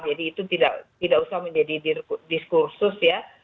jadi itu tidak usah menjadi diskursus ya